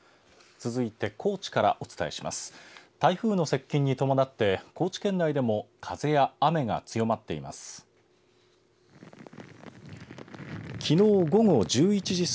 続いて高知からお伝えします。